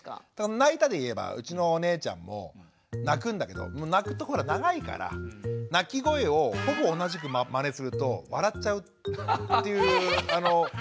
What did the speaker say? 泣いたで言えばうちのお姉ちゃんも泣くんだけど泣くと長いから泣き声をほぼ同じくマネすると笑っちゃうっていうテクニックがありまして。